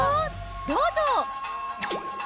どうぞ。